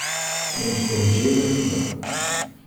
Non scorgeva riva.